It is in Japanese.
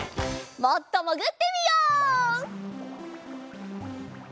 もっともぐってみよう！